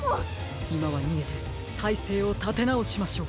いまはにげてたいせいをたてなおしましょう。